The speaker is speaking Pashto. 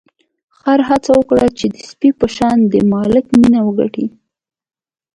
خر هڅه وکړه چې د سپي په شان د مالک مینه وګټي.